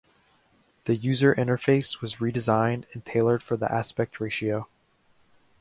The user interface was redesigned and tailored for the aspect ratio.